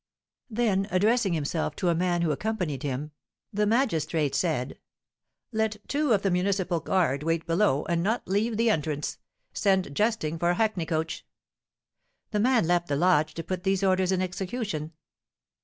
Then, addressing himself to a man who accompanied him, the magistrate said: "Let two of the municipal guard wait below, and not leave the entrance. Send Justing for a hackney coach." The man left the lodge to put these orders in execution.